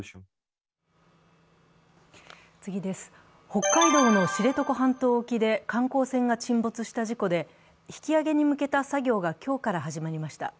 北海道の知床半島沖で観光船が沈没した事故で引き揚げに向けた作業が今日から始まりました。